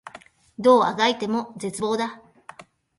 どう足掻いても絶望だ